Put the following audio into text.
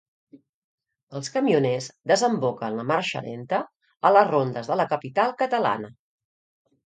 Els camioners desconvoquen la marxa lenta a les rondes de la capital catalana.